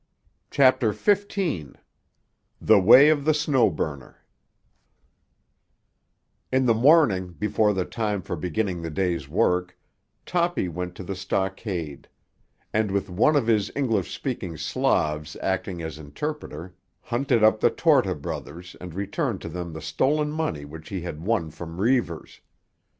CHAPTER XV—THE WAY OF THE SNOW BURNER In the morning, before the time for beginning the day's work, Toppy went to the stockade; and with one of his English speaking Slavs acting an interpreter hunted up the Torta brothers and returned to them the stolen money which he had won from Reivers.